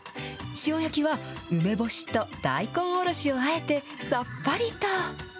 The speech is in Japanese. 塩焼きは梅干しと大根おろしをあえて、さっぱりと。